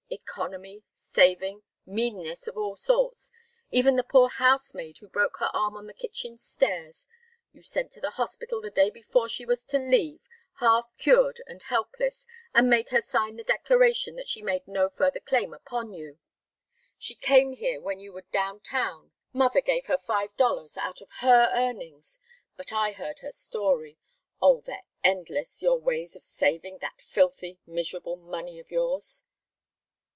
Economy, saving, meanness of all sorts even the poor housemaid who broke her arm on the kitchen stairs! You sent to the hospital the day before she was to leave, half cured and helpless, and made her sign the declaration that she made no further claim upon you. She came here when you were down town. Mother gave her five dollars out of her earnings but I heard her story. Oh, they're endless, your ways of saving that filthy, miserable money of yours!"